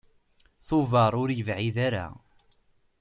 Tubeṛ ur yebɛid ara.